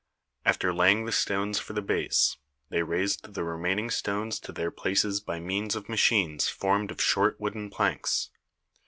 After laying the stones for the base, they raised the remaining stones to their places by means of machines formed of short wooden planks.